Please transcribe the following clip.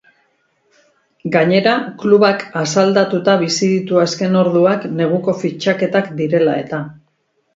Gainera, klubak asaldatuta bizi ditu azken orduak, neguko fitxaketak direla-eta.